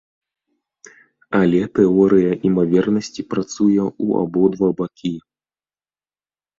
Але тэорыя імавернасці працуе ў абодва бакі.